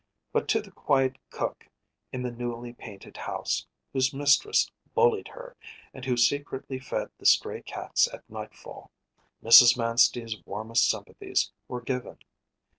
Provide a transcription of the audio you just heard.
But to the quiet cook in the newly painted house, whose mistress bullied her, and who secretly fed the stray cats at nightfall, Mrs. Manstey’s warmest sympathies were given.